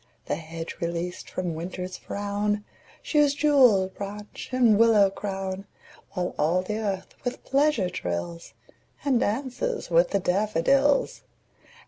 The hedge released from Winter's frown Shews jewelled branch and willow crown; While all the earth with pleasure trills, And 'dances with the daffodils.